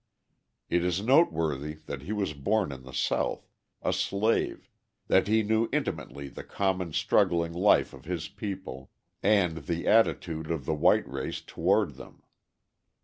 It is noteworthy that he was born in the South, a slave, that he knew intimately the common struggling life of his people and the attitude of the white race toward them.